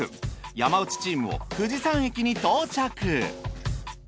山内チームも富士山駅に到着。